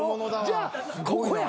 じゃあここや。